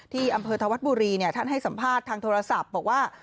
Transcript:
ที่อำเภอธวัฒน์บุรีท่านให้สัมภาษณ์ทางโทรศัพท์บอกว่า